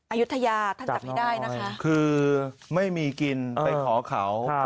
อายุทยาท่านจับให้ได้นะคะจับน้อยคือไม่มีกินไปขอเขาครับ